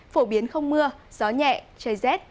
phổ biến không mưa gió nhẹ trời rét